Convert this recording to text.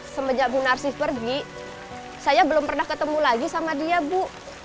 semenjak bu narsih pergi saya belum pernah ketemu lagi sama dia bu